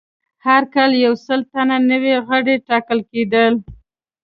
هر کال یو سل تنه نوي غړي ټاکل کېدل